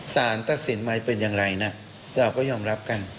สารตัดสินใหม่เป็นอย่างไรนะเราก็ยอมรับกัน